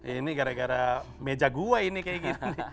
ini gara gara meja gue ini kayak gini